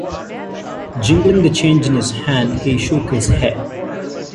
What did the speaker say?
Jingling the change in his hand he shook his head.